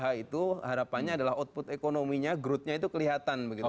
nah itu harapannya adalah output ekonominya growthnya itu kelihatan begitu